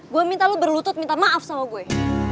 gue minta lu berlutut minta maaf sama gue